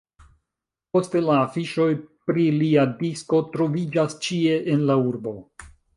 Poste, la afiŝoj pri lia disko troviĝas ĉie en la urbo.